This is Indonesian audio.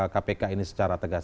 kpk ini secara tegas